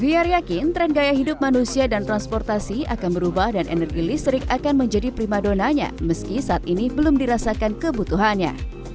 fiar yakin tren gaya hidup manusia dan transportasi akan menjadi prima donanya meski saat ini belum dirasakan kebutuhannya